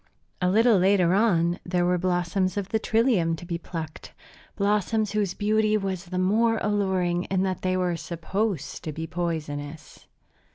A little later on there were the blossoms of the trillium to be plucked, blossoms whose beauty was the more alluring in that they were supposed to be poisonous.